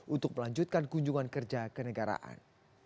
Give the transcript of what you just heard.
untuk melanjutkan kunjungan kerja ke negaraan